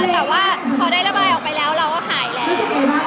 แต่ว่าพอได้ระบายออกไปแล้วเราก็หายแล้ว